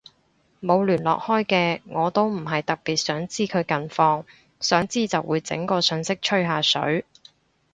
冇聯絡開嘅我都唔係特別想知佢近況，想知就會整個訊息吹下水